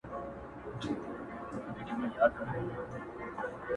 • هره ټولنه خپل رازونه لري او پټ دردونه هم..